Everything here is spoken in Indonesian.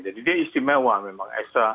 jadi dia istimewa memang